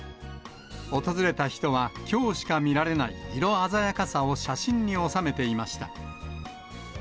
訪れた人は、きょうしか見られない色鮮やかさを写真に収めていました。